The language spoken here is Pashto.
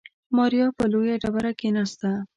ماريا پر لويه ډبره کېناسته.